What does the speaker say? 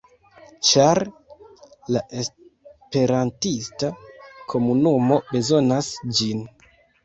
Ĉar la esperantista komunumo bezonas ĝin.